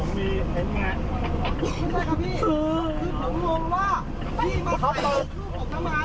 ไม่ได้ค่ะพี่คือผมงงว่าพี่มาใส่ลูกผมทำไม